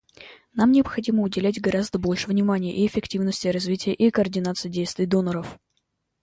Нам необходимо уделять гораздо больше внимания эффективности развития и координации действий доноров.